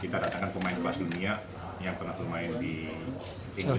kita datangkan pemain kelas dunia yang pernah bermain di inggris premier league di chelsea